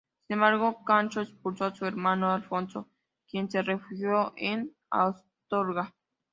Sin embargo, Sancho expulsó a su hermano Alfonso, quien se refugió en Astorga.